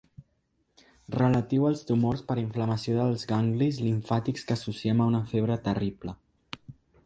Relatiu als tumors per inflamació dels ganglis limfàtics que associem a una febre terrible.